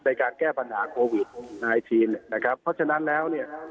ในการแก้ปัญหาโควิด๑๙นะครับเพราะฉะนั้นแล้วเนี่ย